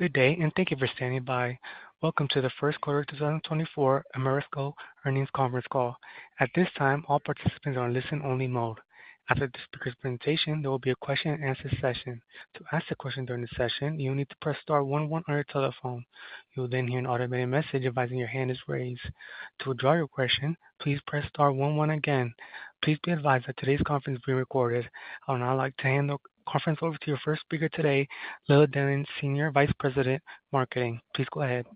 Good day, and thank you for standing by. Welcome to the first quarter of 2024 Ameresco Earnings Conference call. At this time, all participants are in listen-only mode. After this speaker's presentation, there will be a question-and-answer session. To ask a question during the session, you will need to press star one one on your telephone. You will then hear an automated message advising your hand is raised. To withdraw your question, please press star one one again. Please be advised that today's conference is being recorded. I would now like to hand the conference over to your first speaker today, Leila Dillon, Senior Vice President Marketing. Please go ahead.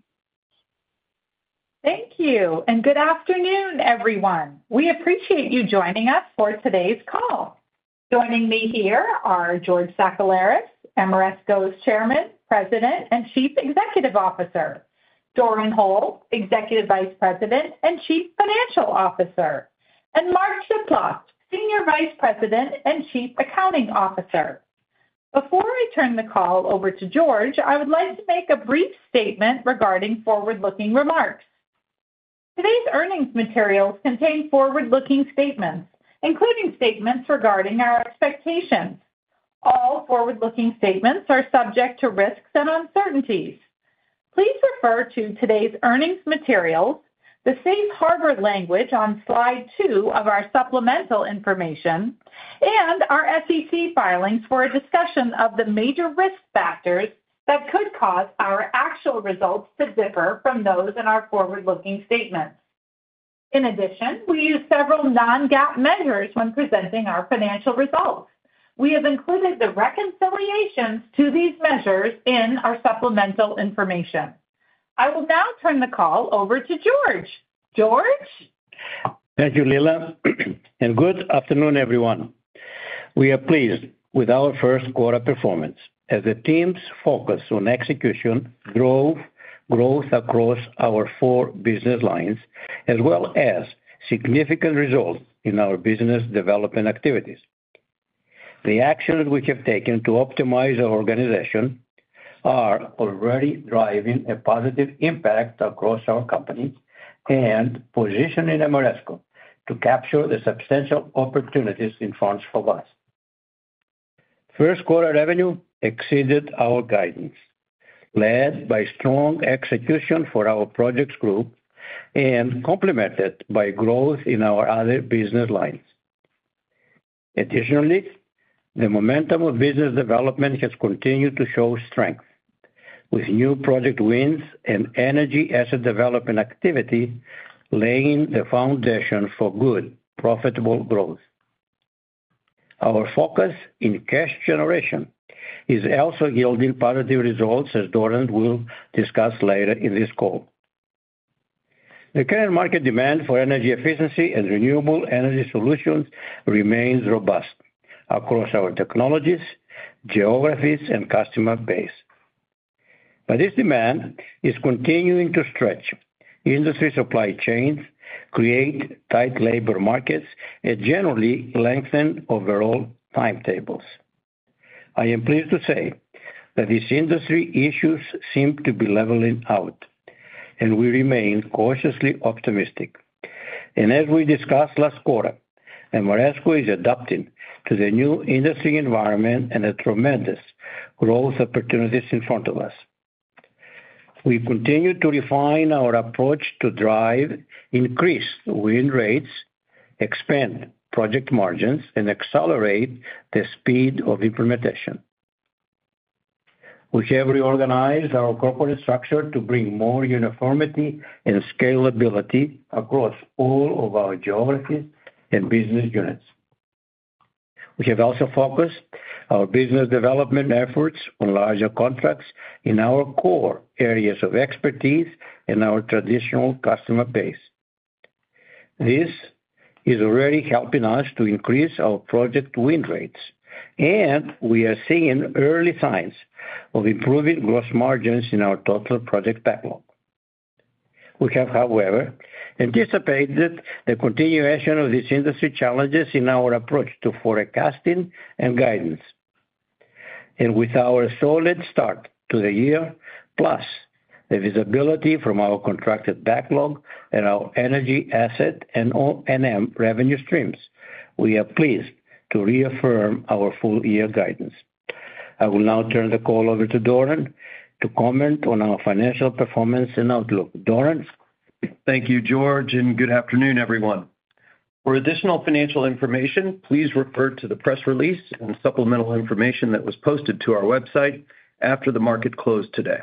Thank you, and good afternoon, everyone. We appreciate you joining us for today's call. Joining me here are George Sakellaris, Ameresco's Chairman, President, and Chief Executive Officer, Doran Hole, Executive Vice President and Chief Financial Officer, and Mark Chiplock, Senior Vice President and Chief Accounting Officer. Before I turn the call over to George, I would like to make a brief statement regarding forward-looking remarks. Today's earnings materials contain forward-looking statements, including statements regarding our expectations. All forward-looking statements are subject to risks and uncertainties. Please refer to today's earnings materials, the Safe Harbor language on slide 2 of our supplemental information, and our SEC filings for a discussion of the major risk factors that could cause our actual results to differ from those in our forward-looking statements. In addition, we use several non-GAAP measures when presenting our financial results. We have included the reconciliations to these measures in our supplemental information. I will now turn the call over to George. George? Thank you, Leila, and good afternoon, everyone. We are pleased with our first quarter performance, as the team's focus on execution drove growth across our four business lines, as well as significant results in our business development activities. The actions we have taken to optimize our organization are already driving a positive impact across our company and positioning Ameresco to capture the substantial opportunities in funds for us. First quarter revenue exceeded our guidance, led by strong execution for our projects group and complemented by growth in our other business lines. Additionally, the momentum of business development has continued to show strength, with new project wins and energy asset development activity laying the foundation for good, profitable growth. Our focus in cash generation is also yielding positive results, as Doran will discuss later in this call. The current market demand for energy efficiency and renewable energy solutions remains robust across our technologies, geographies, and customer base. But this demand is continuing to stretch industry supply chains, create tight labor markets, and generally lengthen overall timetables. I am pleased to say that these industry issues seem to be leveling out, and we remain cautiously optimistic. And as we discussed last quarter, Ameresco is adapting to the new industry environment and the tremendous growth opportunities in front of us. We continue to refine our approach to drive increased win rates, expand project margins, and accelerate the speed of implementation. We have reorganized our corporate structure to bring more uniformity and scalability across all of our geographies and business units. We have also focused our business development efforts on larger contracts in our core areas of expertise and our traditional customer base. This is already helping us to increase our project win rates, and we are seeing early signs of improving gross margins in our total project backlog. We have, however, anticipated the continuation of these industry challenges in our approach to forecasting and guidance. With our solid start to the year, plus the visibility from our contracted backlog and our energy asset and revenue streams, we are pleased to reaffirm our full-year guidance. I will now turn the call over to Doran to comment on our financial performance and outlook. Doran? Thank you, George, and good afternoon, everyone. For additional financial information, please refer to the press release and supplemental information that was posted to our website after the market closed today.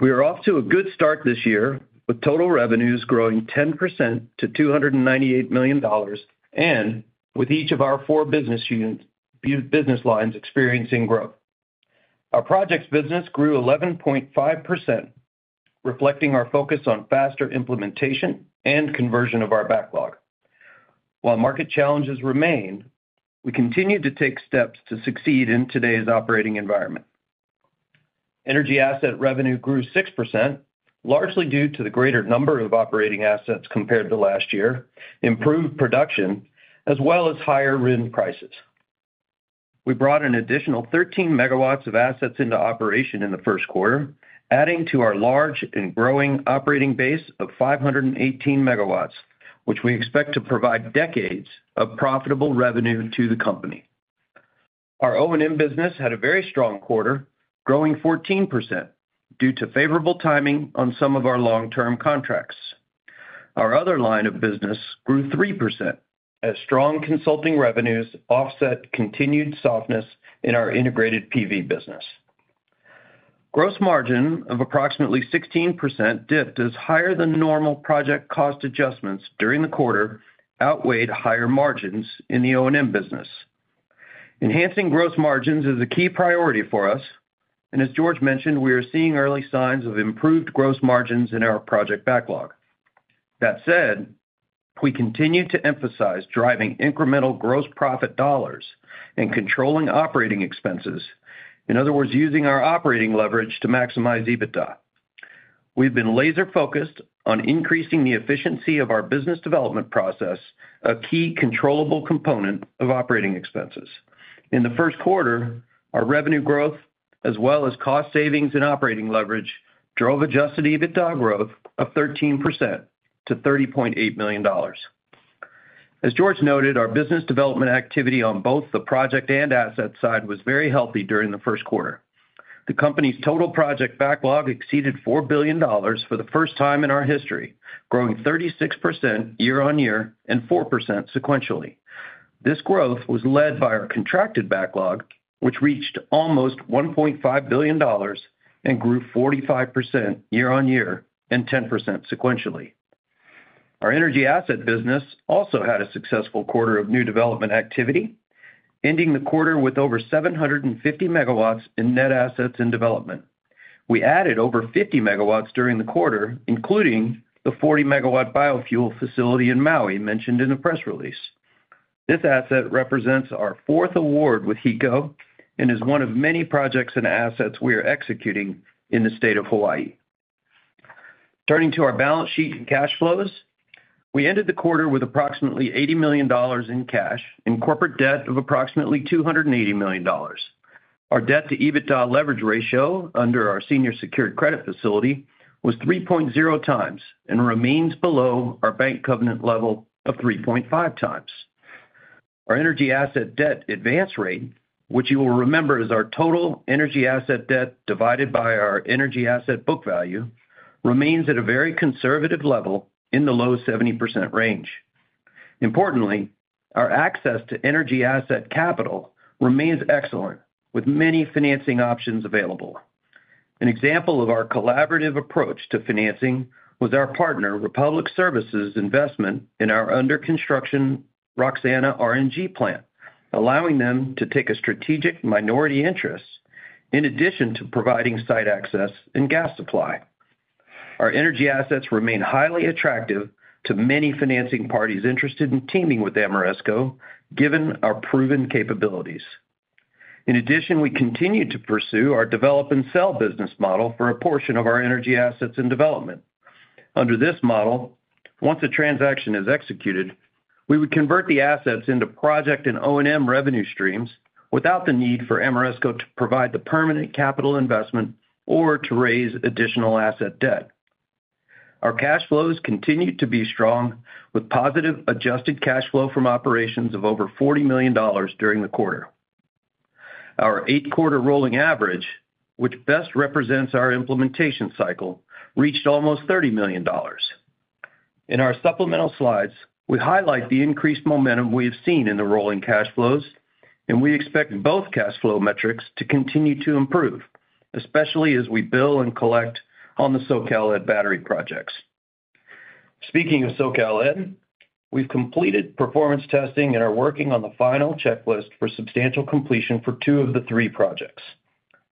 We are off to a good start this year, with total revenues growing 10% to $298 million and with each of our four business lines experiencing growth. Our projects business grew 11.5%, reflecting our focus on faster implementation and conversion of our backlog. While market challenges remain, we continue to take steps to succeed in today's operating environment. Energy asset revenue grew 6%, largely due to the greater number of operating assets compared to last year, improved production, as well as higher RIN prices. We brought an additional 13 megawatts of assets into operation in the first quarter, adding to our large and growing operating base of 518 megawatts, which we expect to provide decades of profitable revenue to the company. Our O&M business had a very strong quarter, growing 14% due to favorable timing on some of our long-term contracts. Our other line of business grew 3%, as strong consulting revenues offset continued softness in our integrated PV business. Gross margin of approximately 16% dipped as higher than normal project cost adjustments during the quarter outweighed higher margins in the O&M business. Enhancing gross margins is a key priority for us, and as George mentioned, we are seeing early signs of improved gross margins in our project backlog. That said, we continue to emphasize driving incremental gross profit dollars and controlling operating expenses, in other words, using our operating leverage to maximize EBITDA. We've been laser-focused on increasing the efficiency of our business development process, a key controllable component of operating expenses. In the first quarter, our revenue growth, as well as cost savings and operating leverage, drove adjusted EBITDA growth of 13% to $30.8 million. As George noted, our business development activity on both the project and asset side was very healthy during the first quarter. The company's total project backlog exceeded $4 billion for the first time in our history, growing 36% year-over-year and 4% sequentially. This growth was led by our contracted backlog, which reached almost $1.5 billion and grew 45% year-over-year and 10% sequentially. Our energy asset business also had a successful quarter of new development activity, ending the quarter with over 750 MW in net assets in development. We added over 50 megawatts during the quarter, including the 40-megawatt biofuel facility in Maui mentioned in the press release. This asset represents our fourth award with HECO and is one of many projects and assets we are executing in the state of Hawaii. Turning to our balance sheet and cash flows, we ended the quarter with approximately $80 million in cash and corporate debt of approximately $280 million. Our debt-to-EBITDA leverage ratio under our senior secured credit facility was 3.0 times and remains below our bank covenant level of 3.5 times. Our energy asset debt advance rate, which you will remember as our total energy asset debt divided by our energy asset book value, remains at a very conservative level in the low 70% range. Importantly, our access to energy asset capital remains excellent, with many financing options available. An example of our collaborative approach to financing was our partner, Republic Services' investment in our under-construction Roxana RNG plant, allowing them to take a strategic minority interest in addition to providing site access and gas supply. Our energy assets remain highly attractive to many financing parties interested in teaming with Ameresco, given our proven capabilities. In addition, we continue to pursue our develop-and-sell business model for a portion of our energy assets in development. Under this model, once a transaction is executed, we would convert the assets into project and O&M revenue streams without the need for Ameresco to provide the permanent capital investment or to raise additional asset debt. Our cash flows continue to be strong, with positive adjusted cash flow from operations of over $40 million during the quarter. Our eight-quarter rolling average, which best represents our implementation cycle, reached almost $30 million. In our supplemental slides, we highlight the increased momentum we have seen in the rolling cash flows, and we expect both cash flow metrics to continue to improve, especially as we bill and collect on the SoCalEd battery projects. Speaking of SoCalEd, we've completed performance testing and are working on the final checklist for substantial completion for two of the three projects.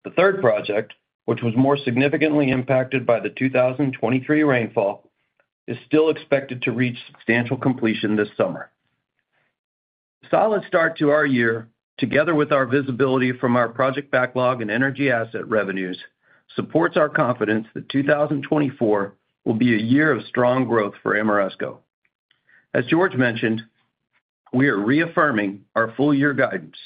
The third project, which was more significantly impacted by the 2023 rainfall, is still expected to reach substantial completion this summer. A solid start to our year, together with our visibility from our project backlog and energy asset revenues, supports our confidence that 2024 will be a year of strong growth for Ameresco. As George mentioned, we are reaffirming our full-year guidance,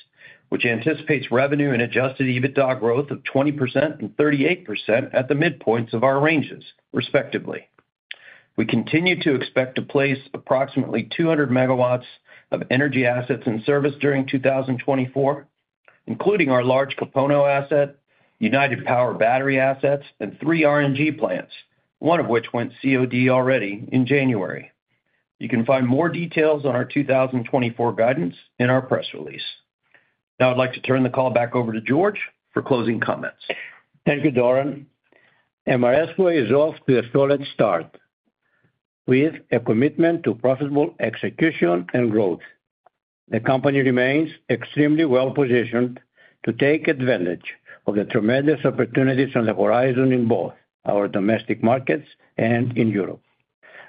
which anticipates revenue and adjusted EBITDA growth of 20% and 38% at the midpoints of our ranges, respectively. We continue to expect to place approximately 200 megawatts of energy assets in service during 2024, including our large Kūpono asset, United Power battery assets, and 3 RNG plants, one of which went COD already in January. You can find more details on our 2024 guidance in our press release. Now I'd like to turn the call back over to George for closing comments. Thank you, Doran. Ameresco is off to a solid start with a commitment to profitable execution and growth. The company remains extremely well-positioned to take advantage of the tremendous opportunities on the horizon in both our domestic markets and in Europe.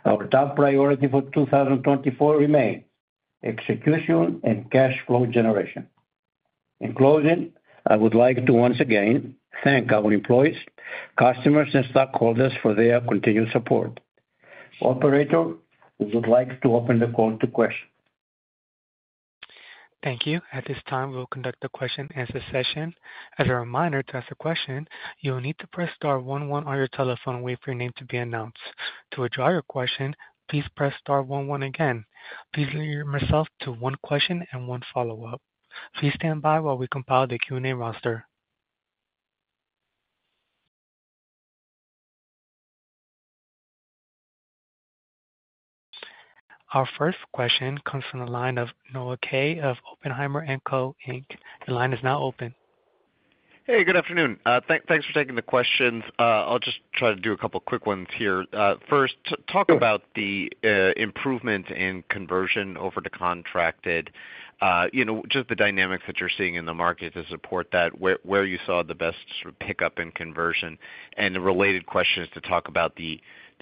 Our top priority for 2024 remains execution and cash flow generation. In closing, I would like to once again thank our employees, customers, and stockholders for their continued support. Operator, we would like to open the call to questions. Thank you. At this time, we will conduct the question-answer session. As a reminder, to ask a question, you will need to press star one one on your telephone, wait for your name to be announced. To address your question, please press star one one again. Please limit yourself to one question and one follow-up. Please stand by while we compile the Q&A roster. Our first question comes from the line of Noah Kaye of Oppenheimer & Co. Inc. The line is now open. Hey, good afternoon. Thanks for taking the questions. I'll just try to do a couple of quick ones here. First, talk about the improvement in conversion over to contracted, just the dynamics that you're seeing in the market to support that, where you saw the best pickup in conversion. The related question is to talk about the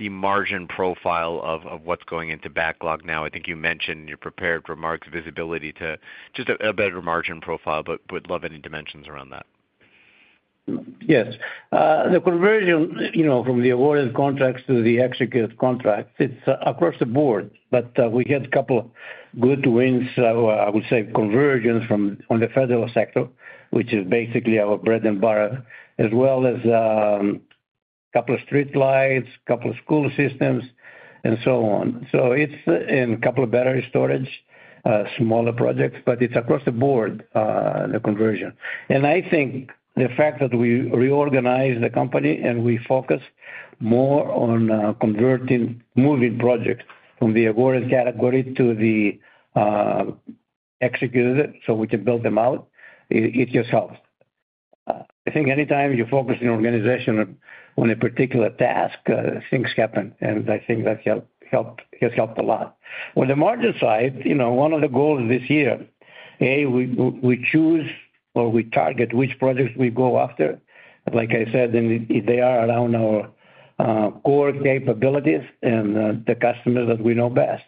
margin profile of what's going into backlog now. I think you mentioned your prepared remarks, visibility to just a better margin profile, but would love any dimensions around that. Yes. The conversion from the awarded contracts to the executed contracts, it's across the board, but we had a couple of good wins, I would say, conversions from the federal sector, which is basically our bread and butter, as well as a couple of streetlights, a couple of school systems, and so on. So it's in a couple of battery storage, smaller projects, but it's across the board, the conversion. And I think the fact that we reorganized the company and we focused more on moving projects from the awarded category to the executed, so we can build them out, it just helped. I think anytime you focus on an organization on a particular task, things happen, and I think that has helped a lot. On the margin side, one of the goals this year, A, we choose or we target which projects we go after. Like I said, they are around our core capabilities and the customers that we know best.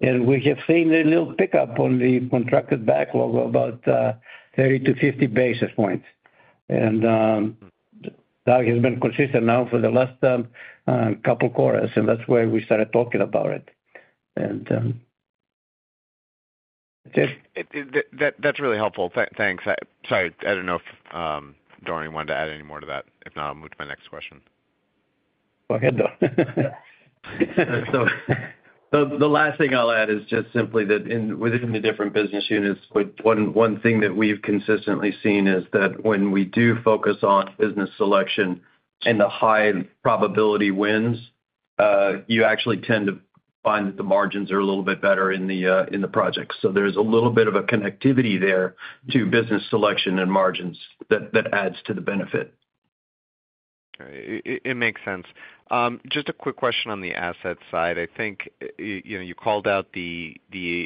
We have seen a little pickup on the contracted backlog of about 30-50 basis points. That has been consistent now for the last couple of quarters, and that's why we started talking about it. That's really helpful. Thanks. Sorry, I don't know if Doran wanted to add any more to that. If not, I'll move to my next question. Go ahead, Doran. So the last thing I'll add is just simply that within the different business units, one thing that we've consistently seen is that when we do focus on business selection and the high probability wins, you actually tend to find that the margins are a little bit better in the projects. So there's a little bit of a connectivity there to business selection and margins that adds to the benefit. It makes sense. Just a quick question on the asset side. I think you called out the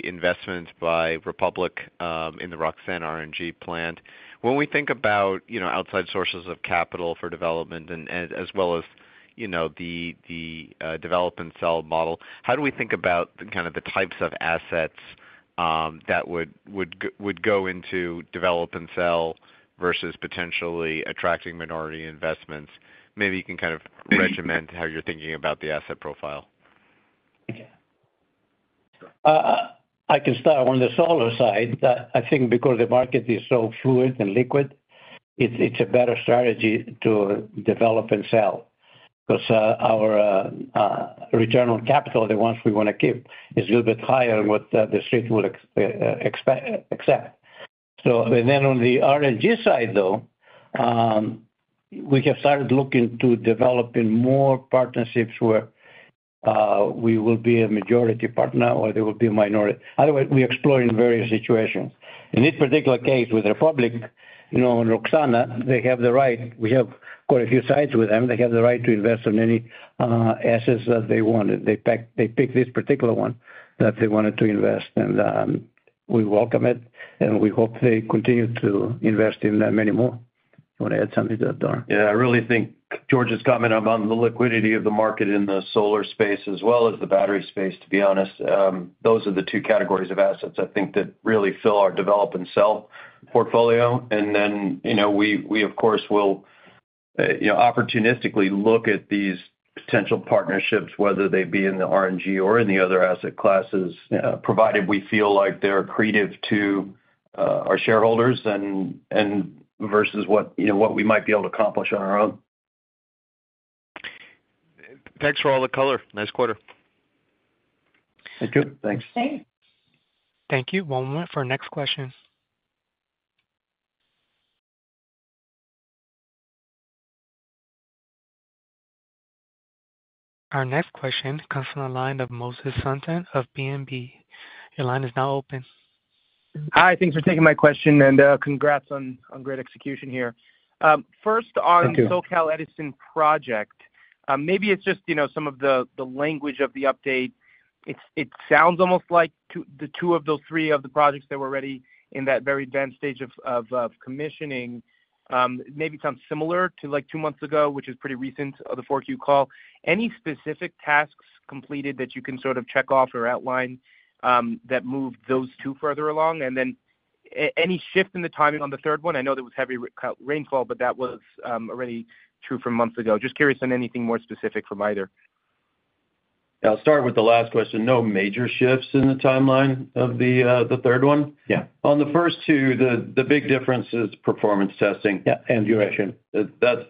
investments by Republic in the Roxana RNG plant. When we think about outside sources of capital for development, as well as the develop-and-sell model, how do we think about kind of the types of assets that would go into develop-and-sell versus potentially attracting minority investments? Maybe you can kind of regiment how you're thinking about the asset profile. I can start on the solar side. I think because the market is so fluid and liquid, it's a better strategy to develop and sell because our return on capital, the ones we want to keep, is a little bit higher than what the street will accept. And then on the RNG side, though, we have started looking to developing more partnerships where we will be a majority partner or there will be a minority. Otherwise, we explore in various situations. In this particular case with Republic and Roxana, they have the right. We have quite a few sites with them. They have the right to invest in any assets that they wanted. They picked this particular one that they wanted to invest, and we welcome it, and we hope they continue to invest in many more. You want to add something to that, Doran? Yeah, I really think George's comment about the liquidity of the market in the solar space, as well as the battery space, to be honest, those are the two categories of assets I think that really fill our develop-and-sell portfolio. And then we, of course, will opportunistically look at these potential partnerships, whether they be in the RNG or in the other asset classes, provided we feel like they're creative to our shareholders versus what we might be able to accomplish on our own. Thanks for all the color. Nice quarter. Thank you. Thanks. Thank you. One moment for our next question. Our next question comes from the line of Moses Sutton of BNP Paribas Exane. Your line is now open. Hi, thanks for taking my question, and congrats on great execution here. First, on the SoCalEd project, maybe it's just some of the language of the update. It sounds almost like the two of those three of the projects that were already in that very advanced stage of commissioning maybe sound similar to two months ago, which is pretty recent, the 4Q call. Any specific tasks completed that you can sort of check off or outline that moved those two further along? And then any shift in the timing on the third one? I know there was heavy rainfall, but that was already true from months ago. Just curious on anything more specific from either. Yeah, I'll start with the last question. No major shifts in the timeline of the third one? On the first two, the big difference is performance testing. Yeah, and duration. That's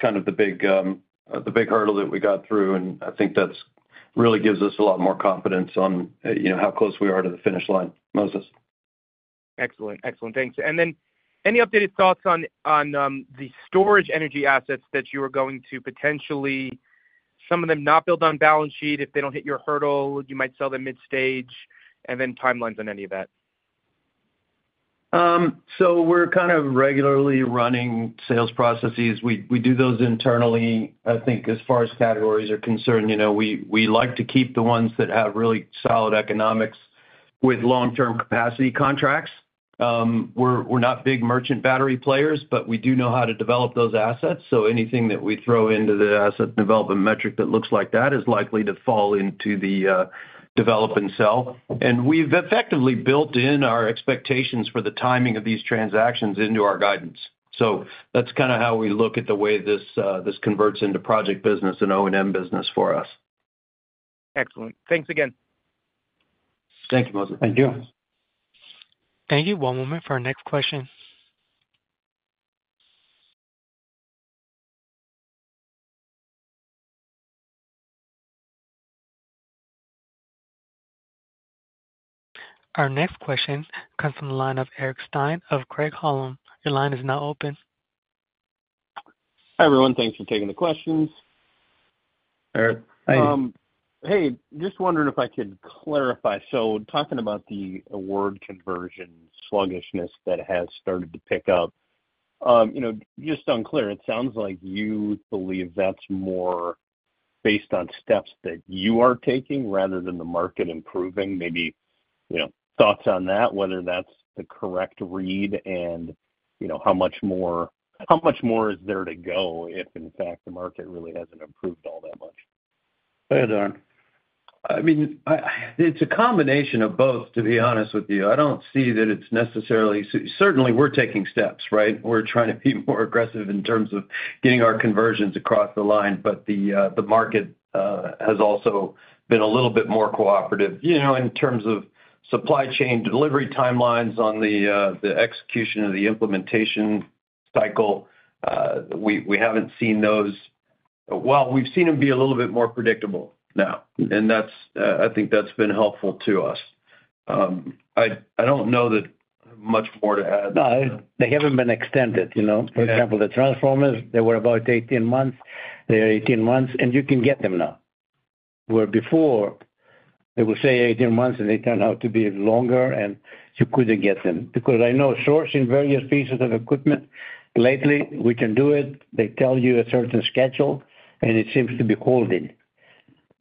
kind of the big hurdle that we got through, and I think that really gives us a lot more confidence on how close we are to the finish line. Moses. Excellent. Excellent. Thanks. And then any updated thoughts on the storage energy assets that you are going to potentially, some of them not build on balance sheet if they don't hit your hurdle, you might sell them mid-stage, and then timelines on any of that? So we're kind of regularly running sales processes. We do those internally. I think as far as categories are concerned, we like to keep the ones that have really solid economics with long-term capacity contracts. We're not big merchant battery players, but we do know how to develop those assets. So anything that we throw into the asset development metric that looks like that is likely to fall into the develop-and-sell. And we've effectively built in our expectations for the timing of these transactions into our guidance. So that's kind of how we look at the way this converts into project business and O&M business for us. Excellent. Thanks again. Thank you, Moses. Thank you. Thank you. One moment for our next question. Our next question comes from the line of Eric Stine of Craig-Hallum. Your line is now open. Hi everyone. Thanks for taking the questions. Hey, just wondering if I could clarify. So, talking about the award conversion sluggishness that has started to pick up, just unclear. It sounds like you believe that's more based on steps that you are taking rather than the market improving. Maybe thoughts on that, whether that's the correct read and how much more is there to go if, in fact, the market really hasn't improved all that much? Go ahead, Doran. I mean, it's a combination of both, to be honest with you. I don't see that it's necessarily certainly, we're taking steps, right? We're trying to be more aggressive in terms of getting our conversions across the line, but the market has also been a little bit more cooperative in terms of supply chain delivery timelines on the execution of the implementation cycle. We haven't seen those well, we've seen them be a little bit more predictable now, and I think that's been helpful to us. I don't know that much more to add. No, they haven't been extended. For example, the transformers, they were about 18 months. They are 18 months, and you can get them now. Where before, they will say 18 months, and they turn out to be longer, and you couldn't get them. Because I know sourcing various pieces of equipment lately, we can do it. They tell you a certain schedule, and it seems to be holding.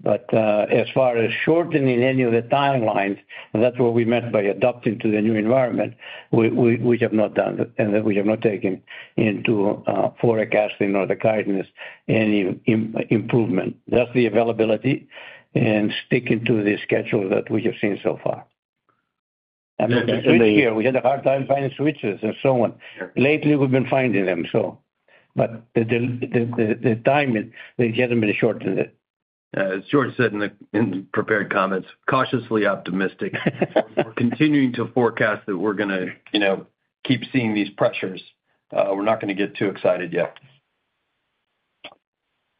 But as far as shortening any of the timelines, that's what we meant by adapting to the new environment. We have not done that, and we have not taken into forecasting or the guidance any improvement. That's the availability and sticking to the schedule that we have seen so far. And the switch here, we had a hard time finding switches and so on. Lately, we've been finding them, so. But the timing, it hasn't been shortened. George said in the prepared comments, cautiously optimistic. We're continuing to forecast that we're going to keep seeing these pressures. We're not going to get too excited yet.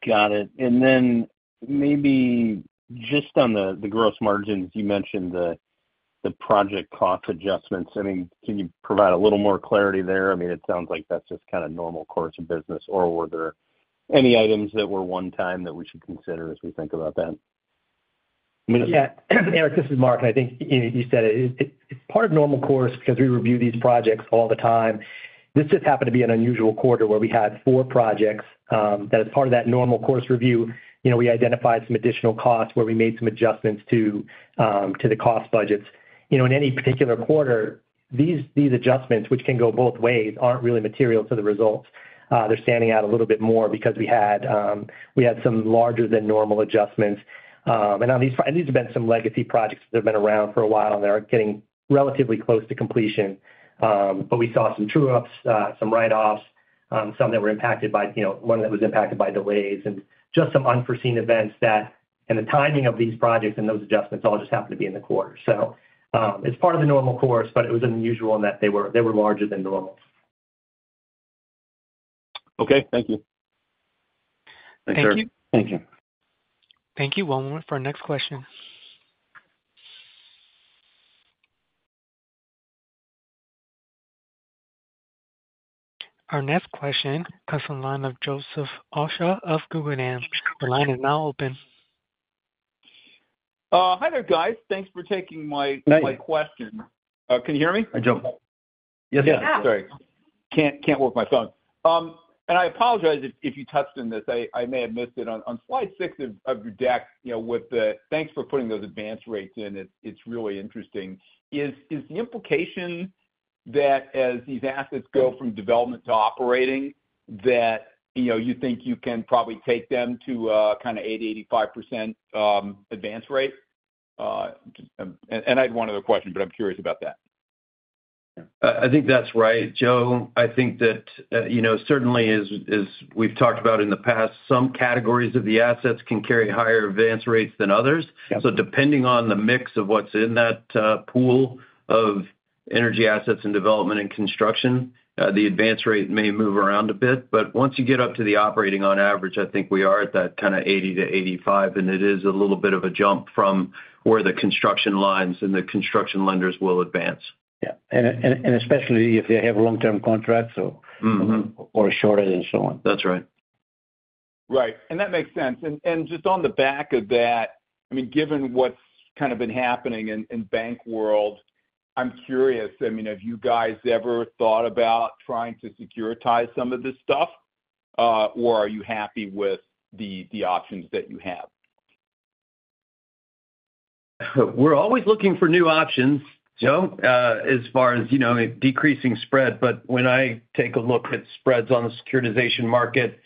Got it. And then maybe just on the gross margins, you mentioned the project cost adjustments. I mean, can you provide a little more clarity there? I mean, it sounds like that's just kind of normal course of business, or were there any items that were one-time that we should consider as we think about that? Yeah. Eric, this is Mark. I think you said it. It's part of normal course because we review these projects all the time. This just happened to be an unusual quarter where we had four projects. That is part of that normal course review. We identified some additional costs where we made some adjustments to the cost budgets. In any particular quarter, these adjustments, which can go both ways, aren't really material to the results. They're standing out a little bit more because we had some larger-than-normal adjustments. And these have been some legacy projects that have been around for a while, and they're getting relatively close to completion. But we saw some true-ups, some write-offs, some that were impacted by one that was impacted by delays, and just some unforeseen events that, and the timing of these projects and those adjustments all just happened to be in the quarter. It's part of the normal course, but it was unusual in that they were larger than normal. Okay. Thank you. Thanks, Eric. Thank you. Thank you. One moment for our next question. Our next question comes from the line of Joseph Osha of Guggenheim Securities. Your line is now open. Hi there, guys. Thanks for taking my question. Can you hear me? Hi, Joe. Yes, sir. Sorry. Can't work my phone. I apologize if you touched on this. I may have missed it. On slide 6 of your deck, with thanks for putting those advance rates in. It's really interesting. Is the implication that as these assets go from development to operating, that you think you can probably take them to kind of 80%-85% advance rate? I had one other question, but I'm curious about that. I think that's right, Joe. I think that certainly, as we've talked about in the past, some categories of the assets can carry higher advance rates than others. So depending on the mix of what's in that pool of energy assets and development and construction, the advance rate may move around a bit. But once you get up to the operating, on average, I think we are at that kind of 80-85, and it is a little bit of a jump from where the construction lines and the construction lenders will advance. Yeah. Especially if they have long-term contracts or shorter and so on. That's right. Right. And that makes sense. And just on the back of that, I mean, given what's kind of been happening in bank world, I'm curious. I mean, have you guys ever thought about trying to securitize some of this stuff, or are you happy with the options that you have? We're always looking for new options, Joe, as far as decreasing spread. But when I take a look at spreads on the securitization market,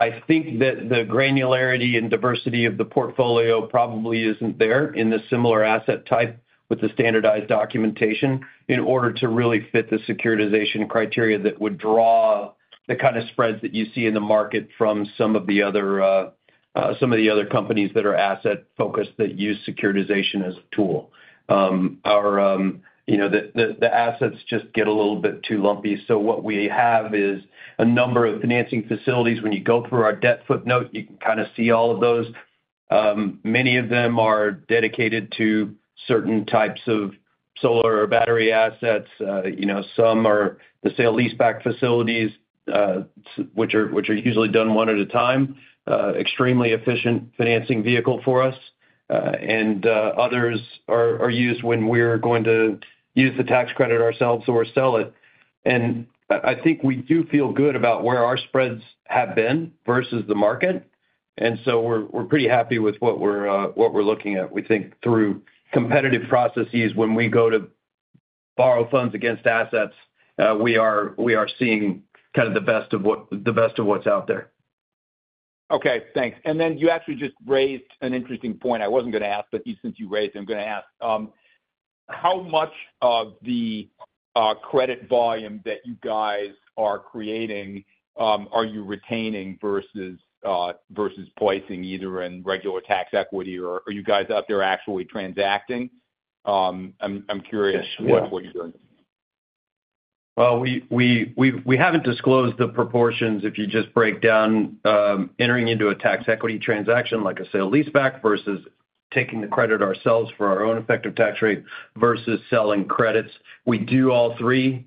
I think that the granularity and diversity of the portfolio probably isn't there in the similar asset type with the standardized documentation in order to really fit the securitization criteria that would draw the kind of spreads that you see in the market from some of the other companies that are asset-focused that use securitization as a tool. The assets just get a little bit too lumpy. So what we have is a number of financing facilities. When you go through our debt footnote, you can kind of see all of those. Many of them are dedicated to certain types of solar or battery assets. Some are the sale leaseback facilities, which are usually done one at a time, extremely efficient financing vehicle for us. And others are used when we're going to use the tax credit ourselves or sell it. And I think we do feel good about where our spreads have been versus the market. And so we're pretty happy with what we're looking at. We think through competitive processes, when we go to borrow funds against assets, we are seeing kind of the best of what's out there. Okay. Thanks. And then you actually just raised an interesting point. I wasn't going to ask, but since you raised it, I'm going to ask. How much of the credit volume that you guys are creating, are you retaining versus placing either in regular tax equity, or are you guys out there actually transacting? I'm curious what you're doing. Well, we haven't disclosed the proportions. If you just break down entering into a tax equity transaction, like a sale leaseback versus taking the credit ourselves for our own effective tax rate versus selling credits, we do all three.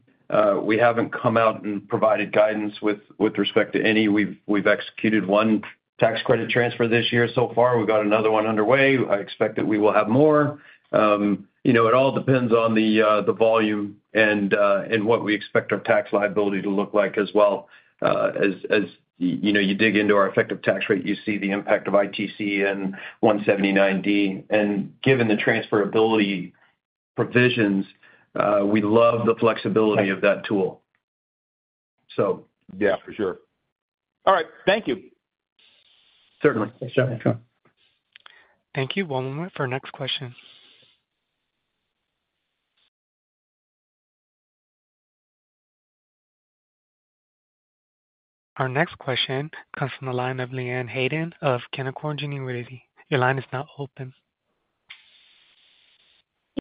We haven't come out and provided guidance with respect to any. We've executed one tax credit transfer this year so far. We've got another one underway. I expect that we will have more. It all depends on the volume and what we expect our tax liability to look like as well. As you dig into our effective tax rate, you see the impact of ITC and 179D. And given the transferability provisions, we love the flexibility of that tool, so. Yeah, for sure. All right. Thank you. Certainly. Thanks, Joe. Thank you. One moment for our next question. Our next question comes from the line of Leanne Hayden of Canaccord Genuity. Your line is now open.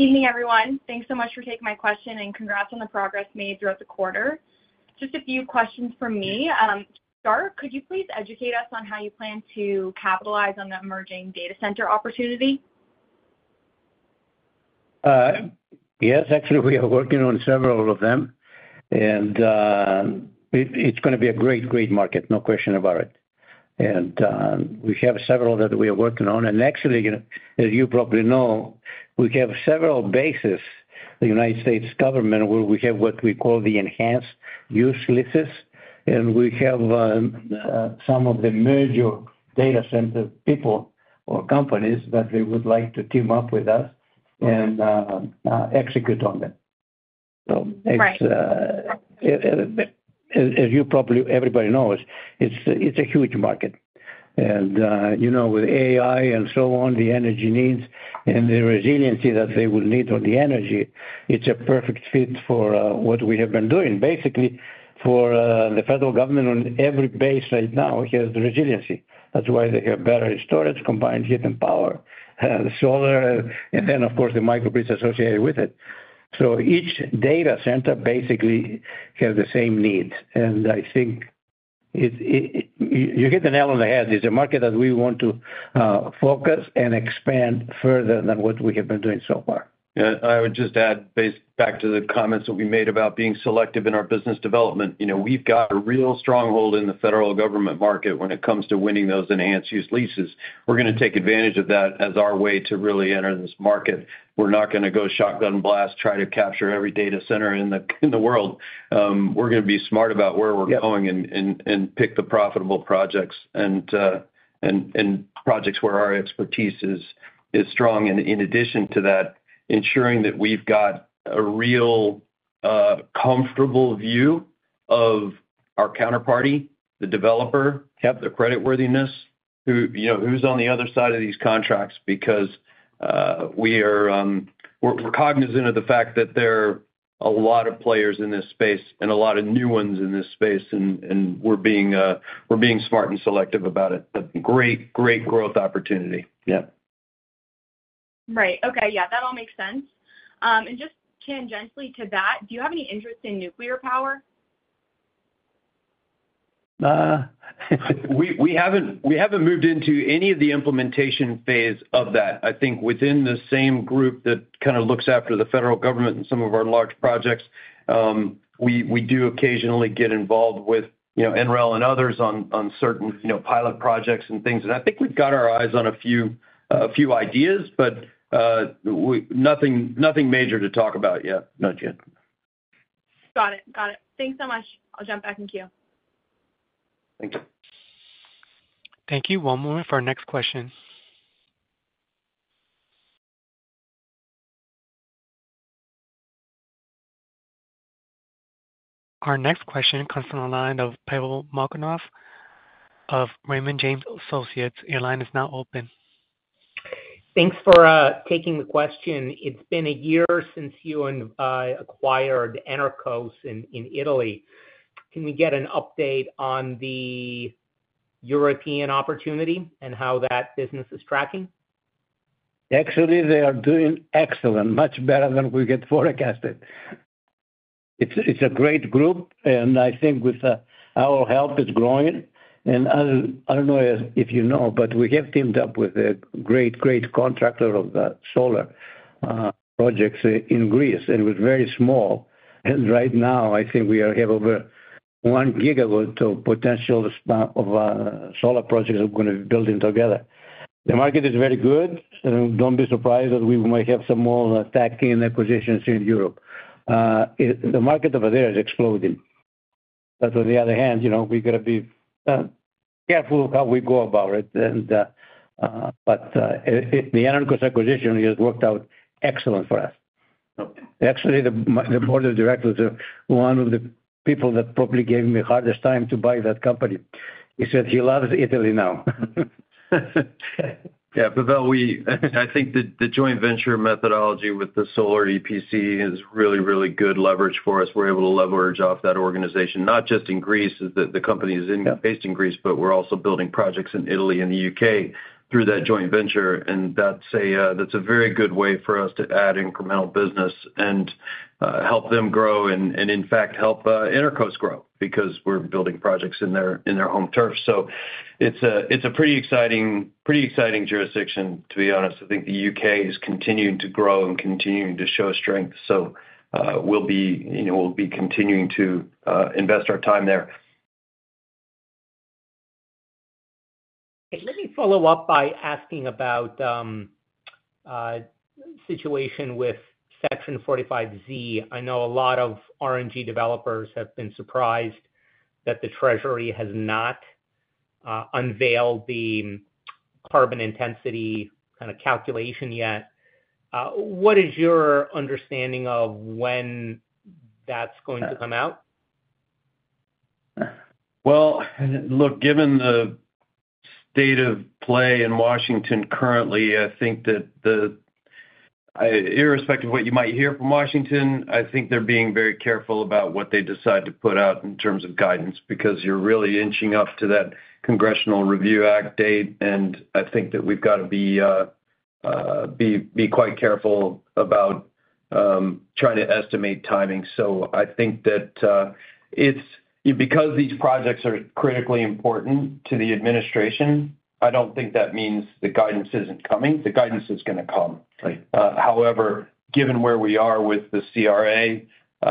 Evening, everyone. Thanks so much for taking my question, and congrats on the progress made throughout the quarter. Just a few questions from me. To start, could you please educate us on how you plan to capitalize on the emerging data center opportunity? Yes. Actually, we are working on several of them. And it's going to be a great, great market, no question about it. And we have several that we are working on. And actually, as you probably know, we have several bases [for] the United States government, where we have what we call the enhanced use leases. And we have some of the major data center people or companies that they would like to team up with us and execute on them. So as you probably everybody knows, it's a huge market. And with AI and so on, the energy needs and the resiliency that they will need on the energy, it's a perfect fit for what we have been doing. Basically, for the federal government, on every base right now, it has the resiliency. That's why they have battery storage, combined heat and power, solar, and then, of course, the microgrids associated with it. Each data center basically has the same needs. I think you hit the nail on the head. It's a market that we want to focus and expand further than what we have been doing so far. Yeah. I would just add, going back to the comments that we made about being selective in our business development, we've got a real stronghold in the federal government market when it comes to winning those enhanced use leases. We're going to take advantage of that as our way to really enter this market. We're not going to go shotgun blast, try to capture every data center in the world. We're going to be smart about where we're going and pick the profitable projects and projects where our expertise is strong. And in addition to that, ensuring that we've got a real comfortable view of our counterparty, the developer, the creditworthiness, who's on the other side of these contracts because we're cognizant of the fact that there are a lot of players in this space and a lot of new ones in this space, and we're being smart and selective about it. A great, great growth opportunity. Yeah. Right. Okay. Yeah. That all makes sense. And just tangentially to that, do you have any interest in nuclear power? We haven't moved into any of the implementation phase of that. I think within the same group that kind of looks after the federal government and some of our large projects, we do occasionally get involved with NREL and others on certain pilot projects and things. And I think we've got our eyes on a few ideas, but nothing major to talk about yet, not yet. Got it. Got it. Thanks so much. I'll jump back and queue. Thank you. Thank you. One moment for our next question. Our next question comes from the line of Pavel Molchanov of Raymond James. Your line is now open. Thanks for taking the question. It's been a year since you acquired Enerqos in Italy. Can we get an update on the European opportunity and how that business is tracking? Actually, they are doing excellent, much better than we get forecasted. It's a great group, and I think with our help, it's growing. I don't know if you know, but we have teamed up with a great, great contractor of solar projects in Greece. It was very small. Right now, I think we have over 1 gigawatt of potential solar projects that we're going to be building together. The market is very good. Don't be surprised that we might have some more tuck-in acquisitions in Europe. The market over there is exploding. But on the other hand, we got to be careful how we go about it. The Enerqos acquisition has worked out excellent for us. Actually, the board of directors of one of the people that probably gave me the hardest time to buy that company, he said he loves Italy now. Yeah. Pavel, I think the joint venture methodology with the solar EPC is really, really good leverage for us. We're able to leverage off that organization, not just in Greece, as the company is based in Greece, but we're also building projects in Italy and the UK through that joint venture. And that's a very good way for us to add incremental business and help them grow and, in fact, help Enerqos grow because we're building projects in their home turf. It's a pretty exciting jurisdiction, to be honest. I think the UK is continuing to grow and continuing to show strength. We'll be continuing to invest our time there. Let me follow up by asking about the situation with Section 45Z. I know a lot of RNG developers have been surprised that the Treasury has not unveiled the carbon intensity kind of calculation yet. What is your understanding of when that's going to come out? Well, look, given the state of play in Washington currently, I think that irrespective of what you might hear from Washington, I think they're being very careful about what they decide to put out in terms of guidance because you're really inching up to that Congressional Review Act date. And I think that we've got to be quite careful about trying to estimate timing. So I think that because these projects are critically important to the administration, I don't think that means the guidance isn't coming. The guidance is going to come. However, given where we are with the CRA,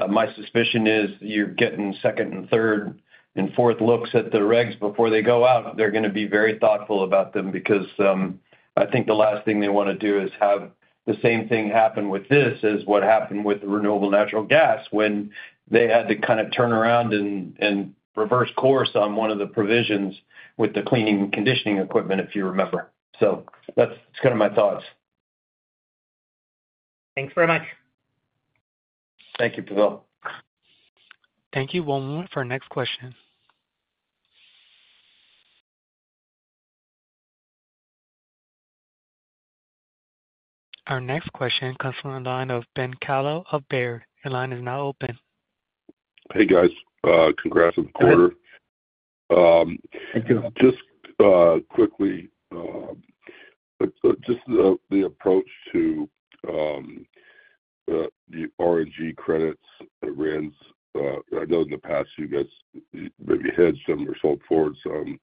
my suspicion is you're getting second and third and fourth looks at the regs before they go out. They're going to be very thoughtful about them because I think the last thing they want to do is have the same thing happen with this as what happened with the renewable natural gas when they had to kind of turn around and reverse course on one of the provisions with the cleaning and conditioning equipment, if you remember. So that's kind of my thoughts. Thanks very much. Thank you, Pavel. Thank you. One moment for our next question. Our next question comes from the line of Ben Kallo of Baird. Your line is now open. Hey, guys. Congrats on the quarter. Thank you. Just quickly, just the approach to the RNG credits that RINs I know in the past, you guys maybe hedged some or sold forward some.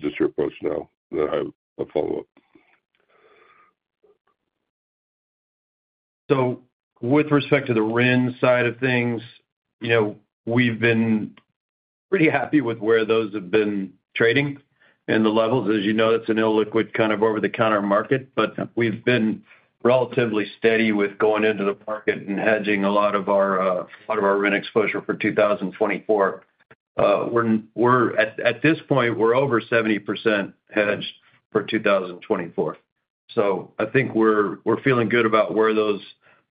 Just your approach now that I have a follow-up. So with respect to the RINs side of things, we've been pretty happy with where those have been trading and the levels. As you know, that's an illiquid kind of over-the-counter market, but we've been relatively steady with going into the market and hedging a lot of our RIN exposure for 2024. At this point, we're over 70% hedged for 2024. So I think we're feeling good about where those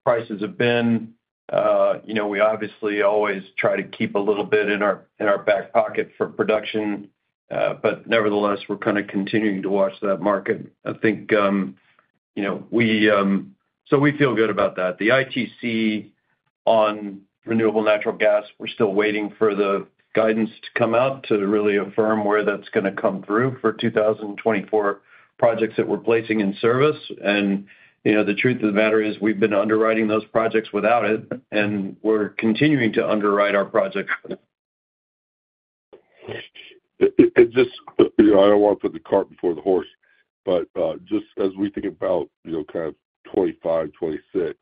prices have been. We obviously always try to keep a little bit in our back pocket for production, but nevertheless, we're kind of continuing to watch that market. I think so we feel good about that. The ITC on renewable natural gas, we're still waiting for the guidance to come out to really affirm where that's going to come through for 2024 projects that we're placing in service. The truth of the matter is we've been underwriting those projects without it, and we're continuing to underwrite our projects. I don't want to put the cart before the horse, but just as we think about kind of 2025, 2026,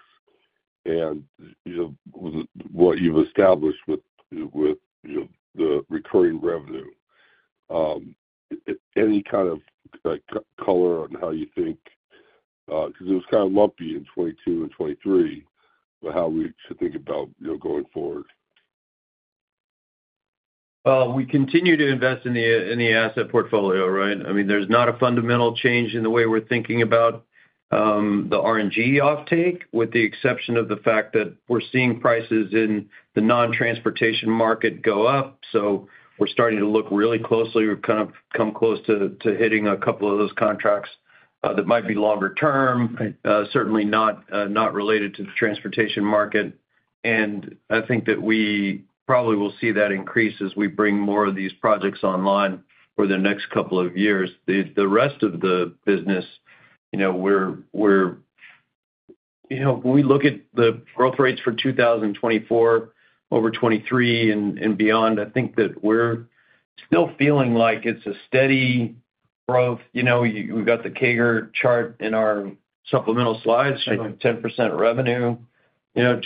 and what you've established with the recurring revenue, any kind of color on how you think because it was kind of lumpy in 2022 and 2023 about how we should think about going forward? Well, we continue to invest in the asset portfolio, right? I mean, there's not a fundamental change in the way we're thinking about the RNG offtake, with the exception of the fact that we're seeing prices in the non-transportation market go up. So we're starting to look really closely. We've kind of come close to hitting a couple of those contracts that might be longer term, certainly not related to the transportation market. And I think that we probably will see that increase as we bring more of these projects online for the next couple of years. The rest of the business, when we look at the growth rates for 2024 over 2023 and beyond, I think that we're still feeling like it's a steady growth. We've got the CAGR chart in our supplemental slides, 10% revenue, 20%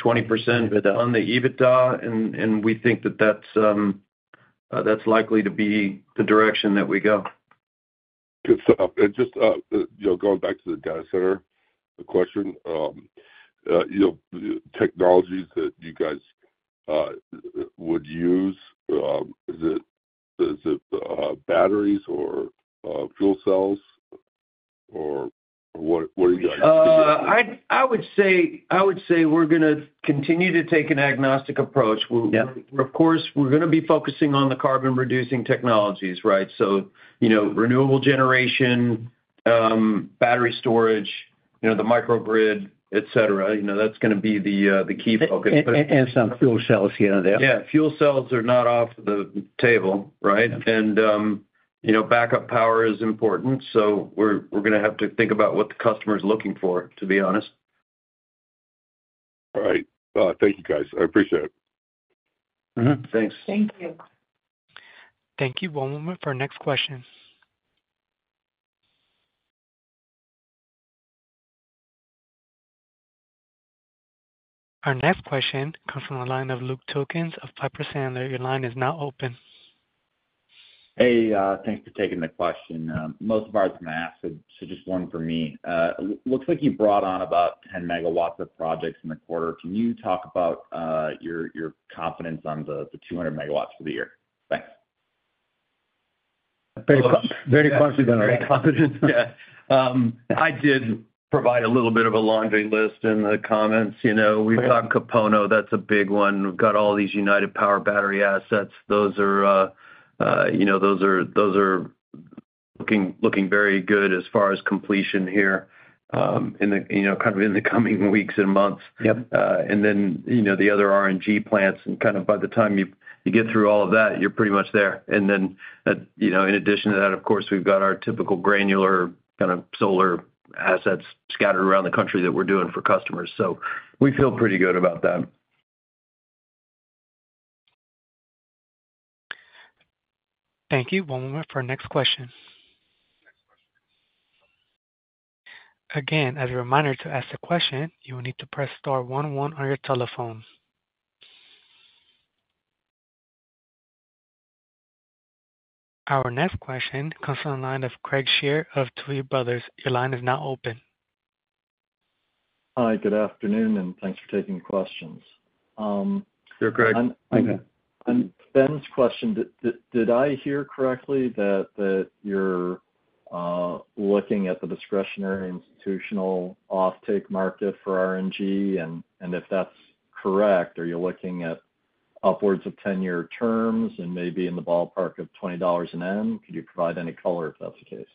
on the EBITDA, and we think that that's likely to be the direction that we go. Good stuff. Just going back to the data center question, technologies that you guys would use, is it batteries or fuel cells, or what are you guys thinking? I would say we're going to continue to take an agnostic approach. Of course, we're going to be focusing on the carbon-reducing technologies, right? So renewable generation, battery storage, the microgrid, etc. That's going to be the key focus. Some fuel cells here and there. Yeah. Fuel cells are not off the table, right? And backup power is important. So we're going to have to think about what the customer is looking for, to be honest. All right. Thank you, guys. I appreciate it. Thanks. Thank you. Thank you. One moment for our next question. Our next question comes from the line of Luke Tilkens of Piper Sandler. Your line is now open. Hey. Thanks for taking the question. Most of ours are going to ask, so just one for me. Looks like you brought on about 10 megawatts of projects in the quarter. Can you talk about your confidence on the 200 megawatts for the year? Thanks. Very confident. Very confident. Yeah. I did provide a little bit of a laundry list in the comments. We've got Kūpono. That's a big one. We've got all these United Power battery assets. Those are looking very good as far as completion here kind of in the coming weeks and months. And then the other RNG plants, and kind of by the time you get through all of that, you're pretty much there. And then in addition to that, of course, we've got our typical granular kind of solar assets scattered around the country that we're doing for customers. So we feel pretty good about that. Thank you. One moment for our next question. Again, as a reminder to ask the question, you will need to press star one one on your telephone. Our next question comes from the line of Craig Shere of Tuohy Brothers. Your line is now open. Hi. Good afternoon, and thanks for taking questions. Sure, Craig. On Ben's question, did I hear correctly that you're looking at the discretionary institutional offtake market for RNG? And if that's correct, are you looking at upwards of 10-year terms and maybe in the ballpark of $20 an MMBtu? Could you provide any color if that's the case?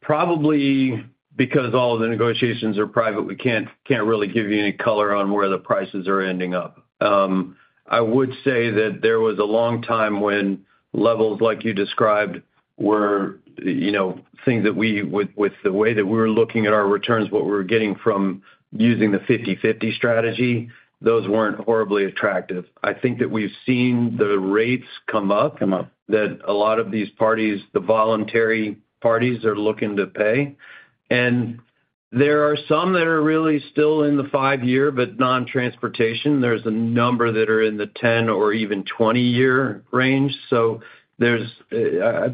Probably because all of the negotiations are private, we can't really give you any color on where the prices are ending up. I would say that there was a long time when levels like you described were things that we with the way that we were looking at our returns, what we were getting from using the 50/50 strategy, those weren't horribly attractive. I think that we've seen the rates come up that a lot of these parties, the voluntary parties, are looking to pay. There are some that are really still in the five-year, but non-transportation, there's a number that are in the 10 or even 20-year range. I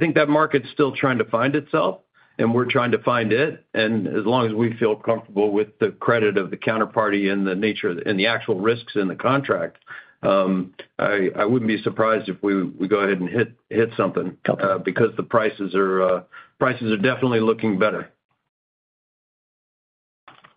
think that market's still trying to find itself, and we're trying to find it. As long as we feel comfortable with the credit of the counterparty and the actual risks in the contract, I wouldn't be surprised if we go ahead and hit something because the prices are definitely looking better.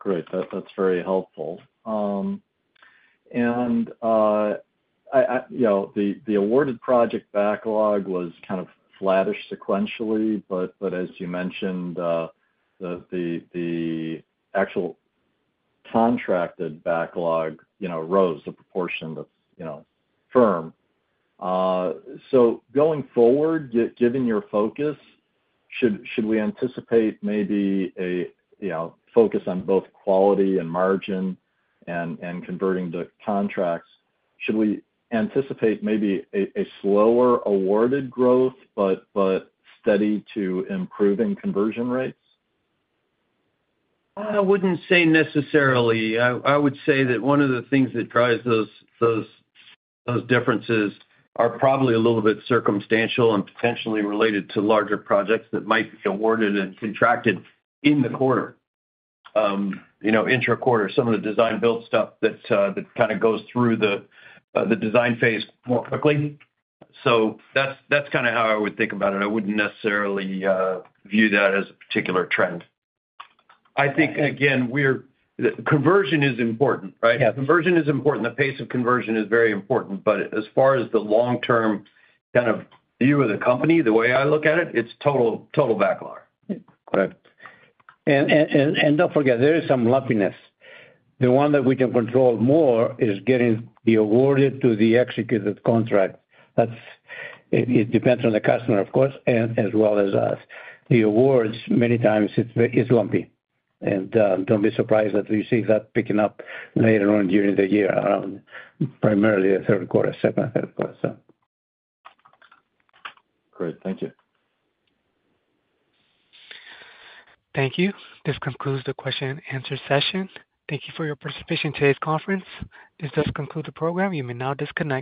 Great. That's very helpful. The awarded project backlog was kind of flattish sequentially, but as you mentioned, the actual contracted backlog rose, the proportion that's firm. So going forward, given your focus, should we anticipate maybe a focus on both quality and margin and converting to contracts? Should we anticipate maybe a slower awarded growth but steady to improving conversion rates? I wouldn't say necessarily. I would say that one of the things that drives those differences are probably a little bit circumstantial and potentially related to larger projects that might be awarded and contracted in the quarter, intra-quarter, some of the design-build stuff that kind of goes through the design phase more quickly. So that's kind of how I would think about it. I wouldn't necessarily view that as a particular trend. I think, again, conversion is important, right? Conversion is important. The pace of conversion is very important. But as far as the long-term kind of view of the company, the way I look at it, it's total backlog. Correct. And don't forget, there is some lumpiness. The one that we can control more is getting the awarded to the executed contract. It depends on the customer, of course, as well as us. The awards, many times, it's lumpy. And don't be surprised that we see that picking up later on during the year, primarily the third quarter, second and third quarter, so. Great. Thank you. Thank you. This concludes the question-and-answer session. Thank you for your participation in today's conference. This does conclude the program. You may now disconnect.